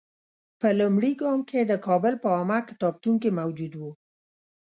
په لومړي ګام کې د کابل په عامه کتابتون کې موجود وو.